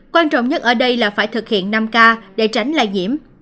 quan trọng nhất ở đây là phải thực hiện năm k để tránh lây nhiễm